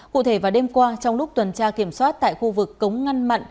cụ thể vào đêm qua trong lúc tuần tra kiểm soát tại khu vực cống ngăn mặn